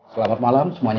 selamat malam semuanya